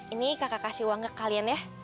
ini kakak kasih uang ke kalian ya